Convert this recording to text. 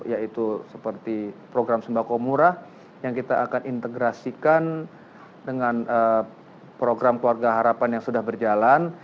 yaitu seperti program sembako murah yang kita akan integrasikan dengan program keluarga harapan yang sudah berjalan